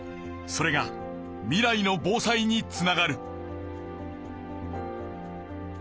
それが未来の防災につながる。